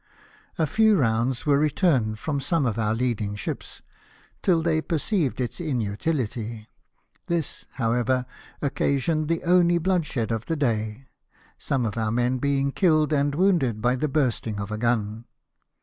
A few rounds were returned from some of our leading ships, till they per ceived its inutility ; this, however, occasioned the only bloodshed of the day, some of our men being killed and wounded by the bursting of a gun.